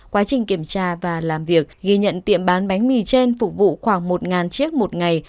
quá trình kiểm tra và làm việc ghi nhận tiệm bán bánh mì trên phục vụ khoảng một chiếc một ngày